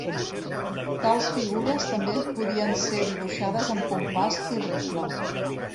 Tals figures també podien ser dibuixades amb compàs i regla.